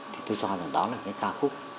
thì tôi cho rằng đó là cái ca khúc